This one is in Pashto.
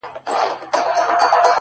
زما د زنده گۍ له هر يو درده سره مله وه،